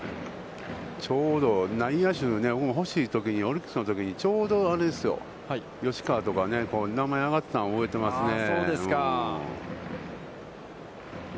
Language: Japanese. ちょうど内野手、欲しいときに、オリックスのときに、ちょうどあれですよ、吉川とか、名前が上がってたの覚えてますね。